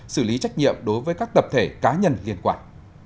xử lý trách nhiệm đối với các tập thể cá nhân liên quan